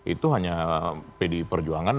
itu hanya pd perjuangan